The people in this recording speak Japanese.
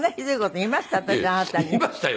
言いましたよ。